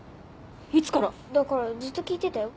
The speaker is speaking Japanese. いつから⁉だからずっと聴いてたよ。